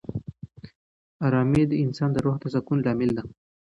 آرامي د انسان د روح د سکون لامل ده.